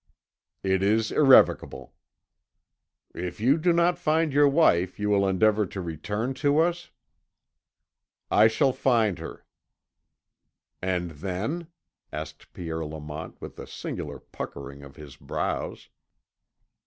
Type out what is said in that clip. "It is irrevocable." "If you do not find your wife you will endeavour to return to us?" "I shall find her." "And then?" asked Pierre Lamont with a singular puckering of his brows.